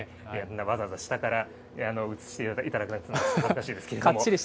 わざわざ下から映していただかなくても、恥ずかしいですけれども。